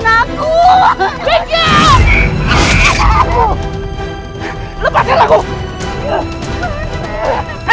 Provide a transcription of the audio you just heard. aduh tidak apa apa